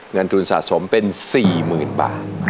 เงินทุนสะสมเป็น๔๐๐๐บาท